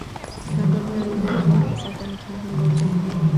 ځنګلونه د اوبو او خاورې په ساتنه کې مهم رول لري.